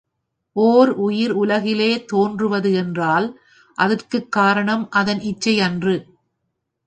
ஓர் உயிர் உலகிலே தோன்றுவது என்றால், அதற்குக் காரணம் அதன் இச்சையன்று.